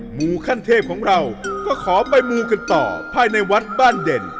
หมู่ขั้นเทพของเราก็ขอไปมูกันต่อภายในวัดบ้านเด่น